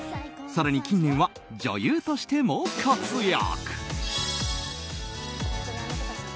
更に近年は女優としても活躍。